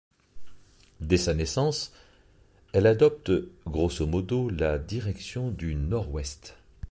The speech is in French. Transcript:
Dès sa naissance, elle adopte grosso modo la direction du nord-ouest.